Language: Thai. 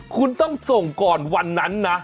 คุณต้องส่งก่อนวันนั้นนะ